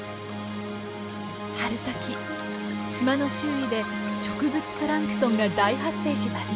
春先島の周囲で植物プランクトンが大発生します。